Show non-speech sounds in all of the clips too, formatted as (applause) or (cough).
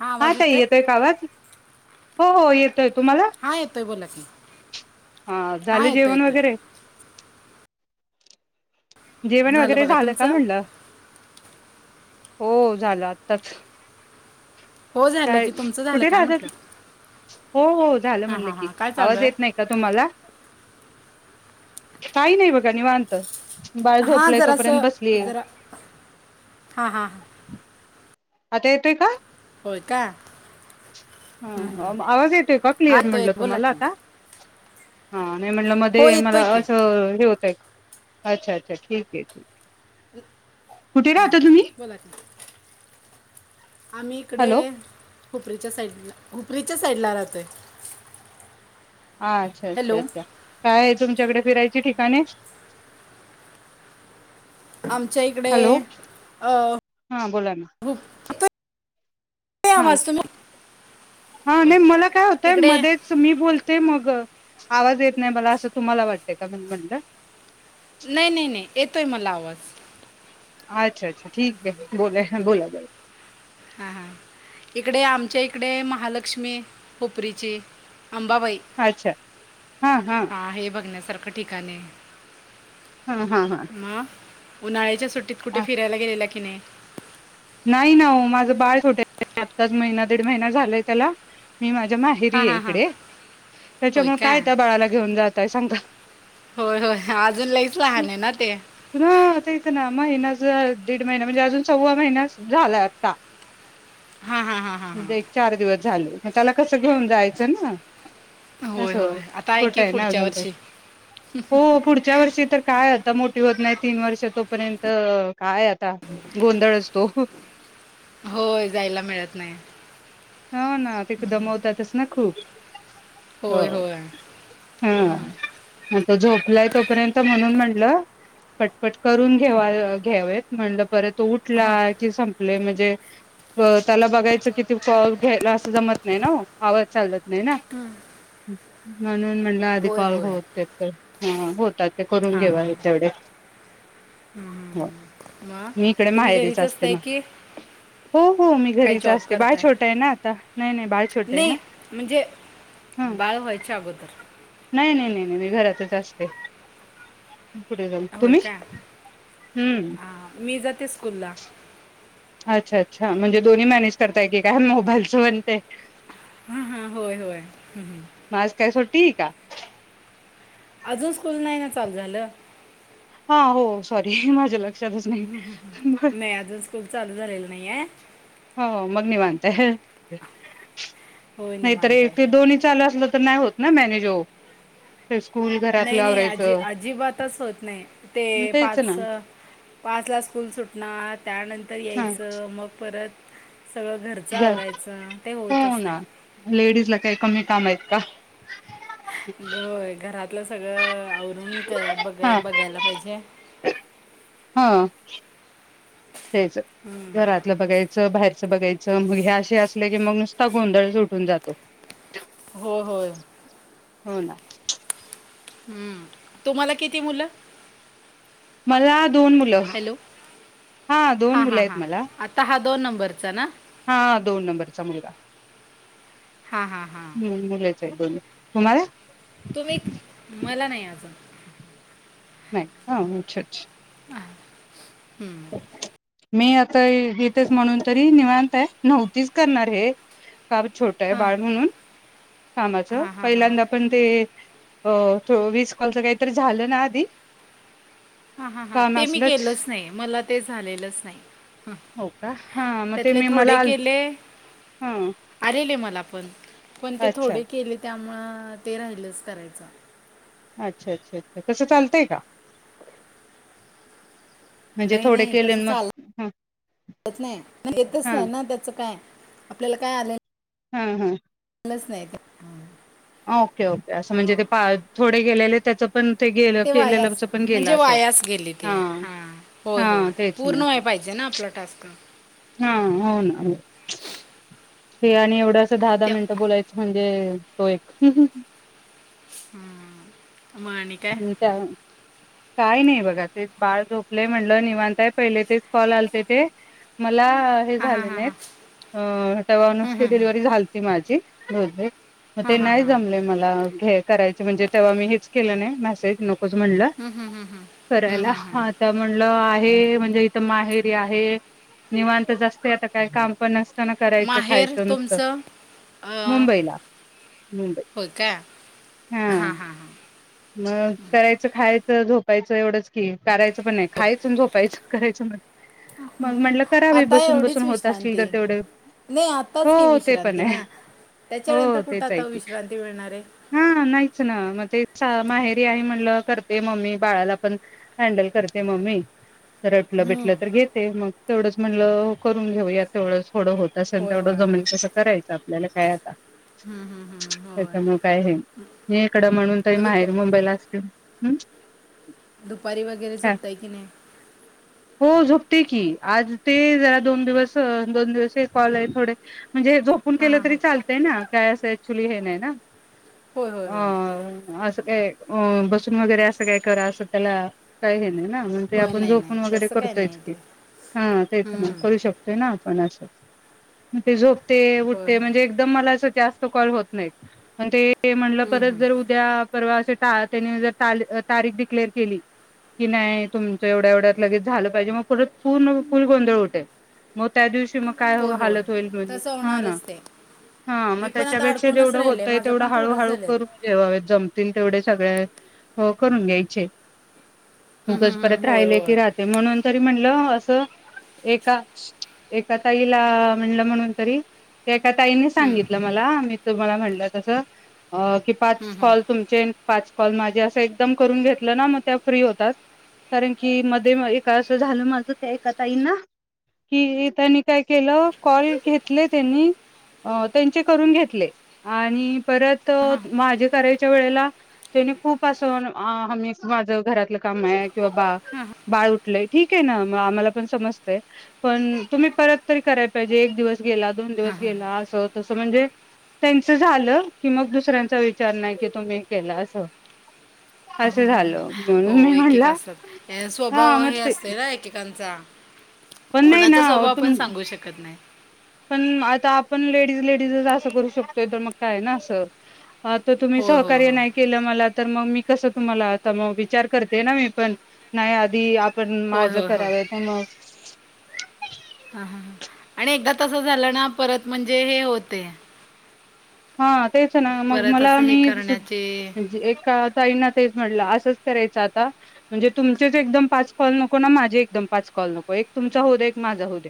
हा आवाज आता येतोय आवाज, हो, हो येतोय तुम्हाला? हां येतोय बोला की. हा, झाल येतोय जेवण येतोय वगैरे? जेवण वगैरे बघा झालं का तुमचं म्हटलं? हो झालं आताच. हो झालं काय, की तुमचं झालं कुठे काय राहतात. म्हटलं हो, हो झालं हां म्हणलं हां की, हां काय चालू आवाज येत नाही आहे काय तुम्हाला? काही नाही बघा निवांत. बाळ हां झोपलंय जरास, तोपर्यंत बसलीये. जरा हां, हां, हां. आता येतोय का? होय का? हा, आवाज येतोे का हा क्लिअर येतोय म्हटलं येत- बोला तुम्हाला की आता? हा, नाही म्हटलं हो मध्ये मला येतोय की असं हे होतय, अच्छा- अच्छा ठीक हेय, ठीक हेय. कुठे राहता तुम्ही? बोला की आम्ही इकडे हॅलो हुपरीच्या साईडला, हुपरीच्या साईडला राहतोय. अच्छा, अच्छा, हॅलो अच्छा. काय आहे तुमच्याकडे फिरायची ठिकाणे? आमच्या इकडे अ हां बोला ना. हुप येतोय हंम, आवाज तुम्ही नाही मला काय होतंय इकडे मध्येच मी बोलते मग, आवाज येत नाही मला असं तुम्हाला वाटतय का म्हणून म्हणलं. नाही, नाही, नाही येतोय मला आवाज. अच्छा, अच्छा ठीक हेय बोला, बोला जा हां, हां इकडे आमच्या इकडे महालक्ष्मी हुपरीची अंबाबाई. अच्छा हा, हा. हा हे बघण्यासारखं ठिकाण हेय. ह, ह, ह. मग, उन्हाळ्याच्या सुट्टीत कुठे फिरायला गेलेला की नाही? नाही ना हो, माझं बाळ छोटे आहे, आत्ताच महिना, दीड महिना झालाय त्याला. मी माझ्या हां माहेरी आहे हां हां इकडे, होय त्याच्यामुळे का काय त्या बाळाला घेऊन जाताय सांगा? होय, होय, अजून लईच लहान आहे ना ते. हो, तेच ना महिनाच, दीड महिना म्हणजे अजून, सव्वा महिन्या झाला आता. हां हां हां हां एक हां चार दिवस झाले, मग त्याला कसं घेऊन जायचं ना? (unintelligible) अस होय होय आता छोटं की आहे ना पुढच्या अजून ते, वर्षी हो पुढच्या वर्षी तर काय- आता मोठी होत नाहीत तीन वर्ष तोपर्यंत काय आता गोंधळच तो. होय, जायला मिळत नाही. हो ना, ते दमवतातच ना खूप. हो. होय होय हम्म. हं. मग तो झोपलाय तोपर्यंत म्हणून म्हटलं, पटपट करून घेवा घ्यावेत. म्हटलं, परत उठला हां की, संपले म्हणजे त्याला बघायच कि- (unintelligible) घ्यायला अस जमत नाही ना, आवाज चालत नाही ना, म्हणून म्ह- आधी होय कॉल होय होते, होतात ते करून घेवा तेवढे. (unintelligible) हो म मी इकडे तुम्ही माहेरीच घरीच असते मग असताय की, हो हो मी काय घरीच जॉब असते बाळ करताय? छोटं आहे ना आता नाही नाही बाळ छोटं आहे ना नाही, म्हणजे हा बाळ व्हायच्या अगोदर. नाही, नाही, नाही, नाही, मी घरातच असते. पुढे जाल, होय तुम्ही? का हं. हा, मी जाते स्कूलला. अच्छा, अच्छा, म्हणजे दोन्ही मॅनेज करताय की काय, मोबाईलच पण ते? हा हा, होय होय. आज काय सुट्टी हाय का? अजून स्कूल नाही ना चालू झालं. हा, हो सॉरी माझ्या ल- नाही, अजून स्कूल चालू झालेलं नाही आहे. हो मग निवांत हाय. (unintelligible) होय निवांत नाहीतरी ते आहे दोन्ही चालू असल तर, नाही होत ना मॅनेज ओ. ते स्कूल- नाही, घरातलं नाही, अजि आवरायचं अजिबातच होत नाही ते तेच ना पाचच. पाचला स्कूल सुटणार, त्यानंतर हा यायचं, मग परत- सगळं घरचं आवरायचं, ते होतच नाही. लेडीज ला काही कमी काम आहेत का? होय, घरातलं सगळं आवरून बघा हा बघायला पाहिजे. हा, तेच घरात. लं बघायचं, बाहेरचं बघायचं, मग हे असे असले की, मग नुसता गोंधळ सुटून जातो. (inaudible) हो, होय. हो ना. हम्म, तुम्हाला किती मुलं? मला दोन मुलं. हॅलो? हा, दोन हा, मुलं आहेत हा, मला आता हा दोन नंबरचा ना? हा, दोन नंबरचा मुलगा. हा हा हा हम्म दोन मुलंच (unintelligible) तुम्हला? तुम्ही मला नाही आजून. नाही का? अच्छा अच्छा. हा हम्म. मी आता येतेच म्हणून तरी निवांत आहे. नव्हतीच करणार हे. फार छोटं हां बाळ म्हणून कामाच हां हां हां पहिल्यांदा आपण ते अ वीस कॉलच काहीतरी झालं ना आधी हा हा हा काम ते मी असलंच केलंच नाही मला ते झालेलंच नाही. हं, हो का हा मग ते त्यातले मी मला थोडे आल केले. हा आलेले मला पण पण ते अच्छा थोडे केले त्यामुळ ते राहिलच करायचं. अच्छा अच्छा अच्छा तसं चालतंय का? म्हणजे नाही थोडे नाही केले तसं मग ह चालंत नाही येतच हा नाही ना त्याच काय? आपल्याला काय आलय? हम्म हम्. (unintelligible) नाय ते. ओके ओके असं म्हणजे ते पा थोडे गेलेले त्याच पण गेलं ते वायाच. केलेलंच पण गेलं म्हणजे असं वायास गेली ते हा. होय हा होय तेच ना पूर्ण व्हाया पाहिजे ना आपलं टास्क? हा होन. ते आणि एवढं असं दहा दहा त्या मिनटं बोलायचं म्हणजे तो एक. हा हा माणी त्या काही नाही बघा ते बाळ झोपलय. म्हणलं निवांत पहिले ते कॉल ते मला ते हां हां झाले हां नाही हां अ तव्हा नुसती डिलिव्हरी झालती माझी हो काय? मग ते हां हां नाही हां जमले मला हे करायचे म्हणजे तेव्हा मी हेच केलं नाही मॅसेज नकोच म्हणलं. हम् हं हं हं. करायला आता म्हटलं आहे म्हणजे इथं माहेरी आहे. निवांतचं असते आता काय काम पण नस न करायचं माहेर खायचं नुसतं. तुमचं अं, मुंबईला. मुंबई होय का हा हा हा. मग करायचं खायचं झोपायचं एवढंच ठीक करायचं पण नाही खायच झोपायचं करायचं पण हा हं आता एवढीच बसून होत असतील तर विश्रांती तेवढे नाही आताच ही हो ते पण विश्रांती आहे ना? हो त्याच्यानंतर कुठं तेच आहे आता की विश्रांती मिळणारे. हा नाहीयच ना म ते चा माहेरी आहे म्हणलं करते मम्मी बाळाला पण हॅडल करते मम्मी. तर रडलं बिडलं हम्म, तर घेते मग तेवढंच म्हणलं करून घेऊयात तेवढंच थोडं होत. तस होय तेवढं होय जम हम्म, करायच आपल्याला काय आता हम्म, हम्म, होय त्याच्यामुळे काय मी हे इकड म्हणून टर मग दुप माहेर मुंबईला असल्या, हम्म. दुपारी वगैरे काय झोपताय की नाय? (inaudible) हो झोपते की आज ते जरा दोन दिवस दोन दिवस कॉल आहे थोडे म्हणजे जोप फोन हां केल हां तरी हां चालतय ना. काय असं ऍक्च्युली हे नाही ना. होय होय होय अ अस काय अ बसून वगैरे अस काय करा, अस त्याला काही हे नाही ना. ते होय आपण नाही नाही झोपून वगैरे तसं काय करतोयच नाही की. ते हा तेच ना हम्म, करू शकतो. करतोयना आपण अस. ते झोपते होय उठते होय म्हणजे एकदम मला अस जास्त कॉल होत नाहीत. पण ते म्हणल हम्म, परत हम्म. जर उद्या, परवा अशी ता त्यांनी जर तारीख डिक्लेअर केली की नाही तुमच एवढ्या एवढ्यात लगेच झाल पाहिजे. मग परत पूर्ण फुल गोंधळ उठेल. मग त्या दिवशी मग काय होय होय हालत होईल म्हणे. तसं हा ना होणारच ते हा मग मी पण आता त्याच्यापेक्षा जेवढ अडकूनच राहिले होतय माझं तेवढ पण थोडंच हळूहळू झालेत करू. जव्हा जमतील तेवढे सगळे हो करून घ्यायचे. हम्म, उगाज हम्म, परत हम्म. होय राहिले की होय राहते. म्हणून तरी म्हणल अस एका एका ताईला म्हणल म्हणून तरी ते एका ताईने हम्म. सांगितल मला, मी तुम्हाला म्हटल तस. अ की पाच कॉल तुमचे पाच कॉल माझे. अस एकदम करून घेतल ना मग त्या फ्री होतात. कारण की मध्ये एक अस झाल माझ ते एका ताईंना. कि त्यांनी काय केल कॉल घेतले त्यांनी. अ त्यांचे करून घेतले. आणि परत माझे करायच्या वेळेला त्यानी खूप अस माझ घरातल काम आहे. किंवा बा बाळ उठलेय. ठीक आहे ना म आम्हाला पण समजतय. पण तुम्ही परत तरी करायला पाहिजे. एक दिवस गेला. दोन दिवस गेला. अस तस म्हणजे त्यांच झाल की मग दुसऱ्यांचा विचार नाही कि तुम्ही केला अस. ह ह ह हो एक एक म्हणला असतात. अ हा स्वभाव मग हे ते असत ना एकेकांचा. पण नाही ना कोणाचा स्वभाव पण तुम सांगू शकतो. ऐकत नाही. पण आता आपण लेडीज लेडीज अस करू शकतोय तर मग काय ना अस. तो तुम्ही होय होय सहकार्य होय नाही केल मला तर मग मी कस तुम्हाला आता मग विचार करते ना मी पण. नाही आधी आप पण होय माझ होय होय कराव तर मग ह ह ह आणि एकदा तस झाल ना परत म्हणजे हे होते. हा तेच ना मग परत मला असं हे मी करण्याचे म्हणजे एका ताईंना तेच म्हटल असच करायच आता. म्हणजे तुमचेच एकदम पाच कॉल नको. ना माझे एकदम पाच कॉल नको. एक तुमचा होऊ दे एक माझा होऊ दे.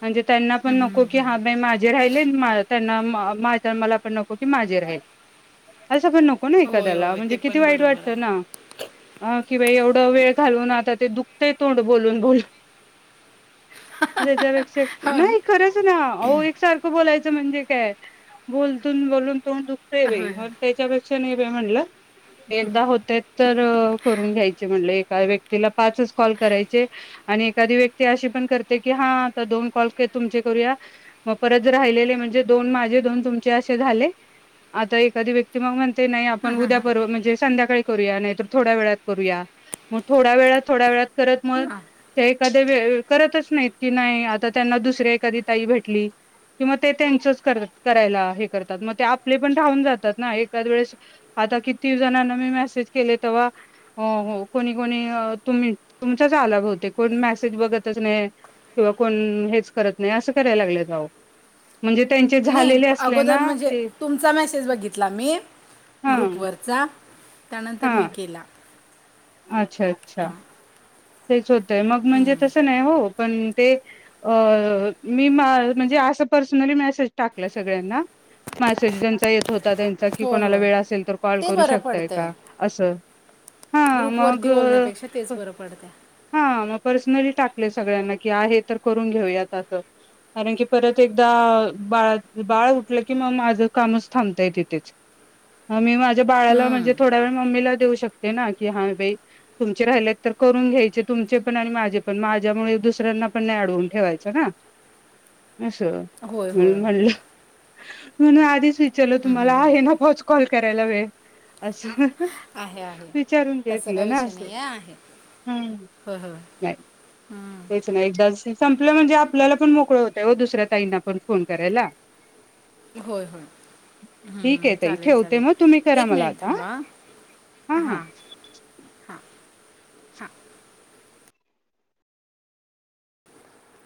म्हणजे त्यांना पण नको की हा बाई माझे राहिले. त्यांना माझे तर मला पण नको की माझे राहील. अस पण नको. हो ना होय एखाद्याला होय म्हणजे ते किती पण वाईट बरोबर वाटत ना. आहे अ कि बयी एवढ वेळ घालून आता ते दुखतय तोंड बोलून बोलून. त्याच्या पेक्षा नाही खरंच ना. अहो एकसारख बोलायच म्हणजे काय बोलतून बोलून तोंड दु होय मग होय त्याच्यापेक्षा न बयी म्हणल एकदा होतय तर करून घ्यायचे म्हणल. एका व्यक्तीला पाचच कॉल करायचे. आणि एखादी व्यक्ती अशी पण करते की, हा आता दोन कॉल तुमचे करूया. मग परत जर राहिलेले म्हणजे दोन माझे दोन तुम हे असे झाले. आता एखादी व्यक्ती मग म्हणते आपण उद्या, परवा म्हणजे संध्याकाळी करूया. नाहीर थोड्या वेळात करूया. मग थोड्या वेळात थोड्या वेळात करत मग हां ते एखादे वेळी करतच नाहीत. की नाही आता त्यांना दुसऱ्या एखादी ताई भेटली. कि म ते त्यांचच करायला हे करतात मग ते आपले पण राहून जातात ना एखाद वेळेस आता किती जणांना मी मेसेज केले तव्हा हो हो कोणी, कोणी तुम्ही तुमचाच आलाभवते कोण मेसेज बघतच नाही. किंवा कोण हेच करत नाही अस कराय लागलेत आहो म्हणजे त्यांचे नाही झालेले अस अगोदर म्हणजे तुमचा मेसेज बघितला मी हा ग्रुपवरचा त्यानंतर हा मी केला. अच्छा. अच्छा हां. तेच होतय मग म्हणजे तसं नाही हो पण ते अ मी म्हणजे असं पर्सनली मेसेज टाकला सगळ्यांना मेसेज ज्यांचा येत होता त्यांचा की होय कोणाला होय वेळ असेल तर कॉल ते करू बरं शकताय पडतंय का असं हा मग पडता हा मग पर्सनली टाकले सगळ्यांना की आहे तर करून घेऊयात असं. कारण की परत एकदा बाळा, बाळ उठलं की मग माझं कामच थांबताय तिथेच. मी माझ्या बाळाला म्हणजे हम्म. थोड्या वेळ मम्मीला देऊ शकते ना की हा बाई तुमचे राहिलेत तर करून घ्यायचे तुमचे पण आणि माझे पण माझ्यामुळे दुसऱ्यांना पण नाही अडवून ठेवायचं ना. असं होय होय म्हणून म्हणलं म्हणून आधीच विचारलं तुम्हाला आहे ना पोच कॉल करायला वेळ असं विचारून घेतलं ना असं. आहे‌. हम्म, नाही पैसे एकदा संपल म्हणजे आपल्याला पण मोकळं होतं दुसऱ्या ताईंना पण फोन करायला. होय, होय. ठीक आहे हम्म, ताई चालेल ठेवते चालेल मग तुम्ही करा एक मला मिनिट आता हा थांबा हा